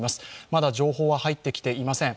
まだ情報は入ってきていません。